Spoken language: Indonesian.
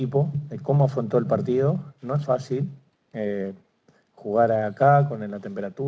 dan beruntung dengan kondisi tim dan bagaimana pertempuran itu